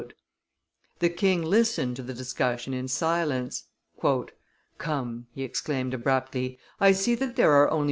The king listened to the discussion in silence. "Come," he exclaimed abruptly, "I see that there are only M.